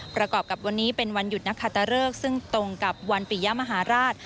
ประกอบกับวันนี้เป็นวันหยุดนักคาตะเริกซึ่งตรงกับวันปิยมหาราช